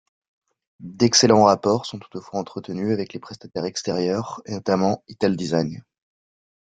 D'excellents rapports sont toutefois entretenus avec les prestataires extérieurs et notamment Italdesign.